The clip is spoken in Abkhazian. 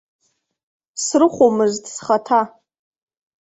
Срыхәомызт схаҭа.